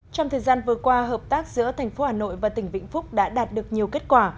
trong thời gian vừa qua hợp tác giữa thành phố hà nội và tỉnh vĩnh phúc đã đạt được nhiều kết quả